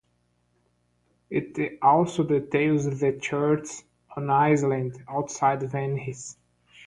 It also details the churches on the islands outside Venice.